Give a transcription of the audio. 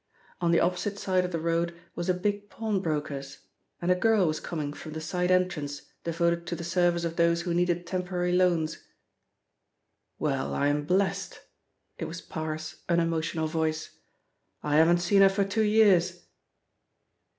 On the opposite side of the road was a big pawnbroker's, and a girl was coming from the side entrance devoted to the service of those who needed temporary loans. "Well, I'm blessed!" It was Parr's unemotional voice. "I haven't seen her for two years."